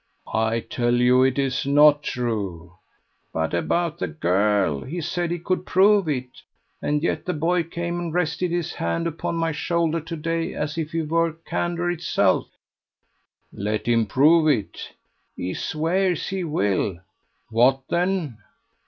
"I tell you it is not true." "But about the girl? He said he could prove it. And yet the boy came and rested his hand upon my shoulder to day as if he were candour itself." "Let him prove it." "He swears he will." "What then?"